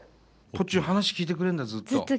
ぽっちゅん話聞いてくれんだずっと。